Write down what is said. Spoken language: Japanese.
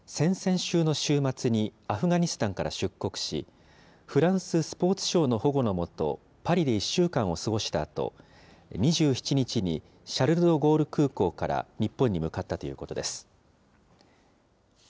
週の週末にアフガニスタンから出国し、フランススポーツ省の保護の下、パリで１週間を過ごしたあと、２７日にシャルル・ド・ゴール空港から日本に向かったということです。